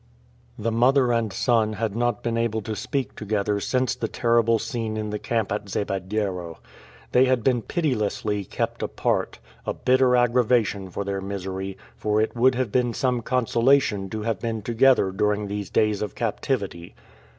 The mother and son had not been able to speak together since the terrible scene in the camp at Zabediero. They had been pitilessly kept apart a bitter aggravation of their misery, for it would have been some consolation to have been together during these days of captivity.